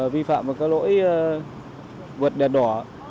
vi phạm về các lỗi vượt đèn đỏ